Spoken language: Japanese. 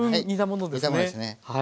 煮たものですね。